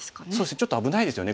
ちょっと危ないですよね